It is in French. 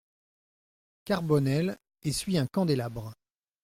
Carbonel essuie un candélabre.